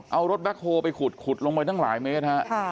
เอารถแบ็คโฮลไปขุดลงไปตั้งหลายเมตรฮะ